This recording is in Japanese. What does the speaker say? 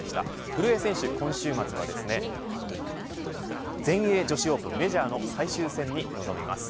古江選手、今週末は全英女子オープンメジャーの最終戦に臨みます。